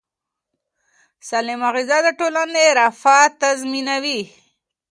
سالمه غذا د ټولنې رفاه تضمینوي.